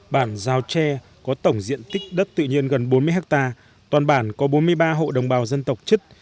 bản giao tre có tổng diện tích đất tự nhiên gần bốn mươi ha toàn bản có bốn mươi ba hộ đồng bào dân tộc chất